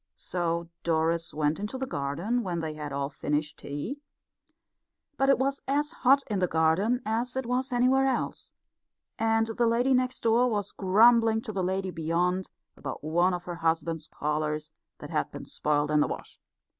So Doris went into the garden when they had all finished tea, but it was as hot in the garden as it was anywhere else; and the lady next door was grumbling to the lady beyond about one of her husband's collars that had been spoilt in the wash.